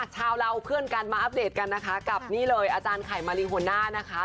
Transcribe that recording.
เช้าเราเพื่อนกันมาอัปเดตกันนะคะกับนี้เลยอไข่มาริโหน่านะคะ